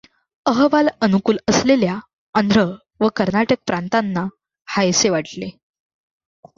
अहवाल अनुकूल असलेल्या आंध्र व कर्नाटक प्रांतांना हायसे वाटले.